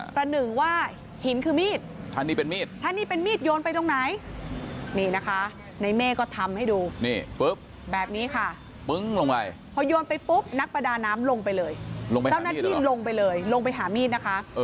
ศนึงว่าหินคือมีดถ้านี้เป็นมีดโยนไปตรงไหนในเมฆก็ทำให้ดูนักประดาน้ำลงไปเลยลงไปหามีดนะคะ